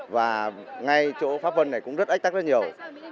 và ngay chỗ pháp vân này cũng rất ách tắc rất nhiều